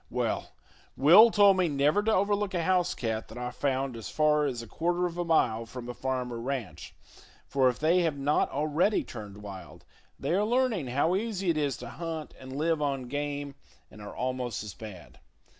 Well, Will told me never to overlook a house cat that I found as far as a quarter of a mile from a farm or ranch, for if they have not already turned wild, they are learning how easy it is to hunt and live on game, and are almost as bad.